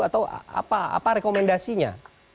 atau apa rekomendasinya